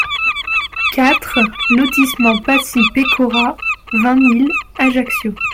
quatre lotissement Pasci Pecora, vingt mille Ajaccio